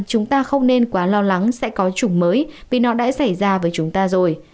chúng ta không nên quá lo lắng sẽ có chủng mới vì nó đã xảy ra với chúng ta rồi